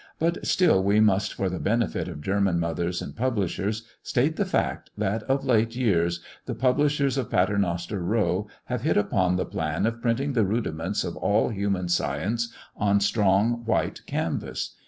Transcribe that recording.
But still we must for the benefit of German mothers and publishers, state the fact, that of late years the publishers of Paternoster row have hit upon the plan of printing the rudiments of all human science on strong white canvass.